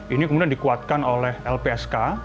ini kemudian dikuatkan oleh lpsk